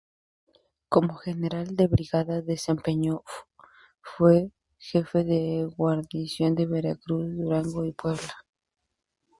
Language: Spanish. Como general de brigada desempeñó fue jefe de guarnición de Veracruz, Durango y Puebla.